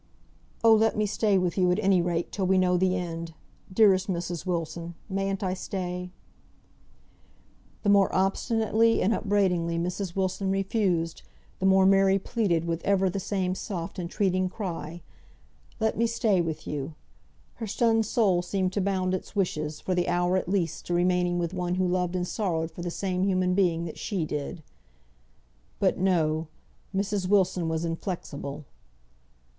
"Oh, let me stay with you, at any rate, till we know the end. Dearest Mrs. Wilson, mayn't I stay?" The more obstinately and upbraidingly Mrs. Wilson refused, the more Mary pleaded, with ever the same soft, entreating cry, "Let me stay with you." Her stunned soul seemed to bound its wishes, for the hour at least, to remaining with one who loved and sorrowed for the same human being that she did. But no. Mrs. Wilson was inflexible.